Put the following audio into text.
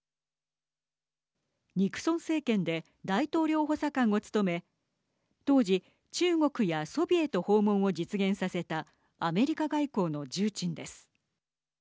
ニクソン政権で大統領補佐官を務め当時、中国やソビエト訪問を実現させたアメリカ外交の重鎮です。